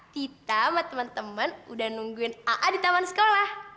tita sama teman teman udah nungguin aa di taman sekolah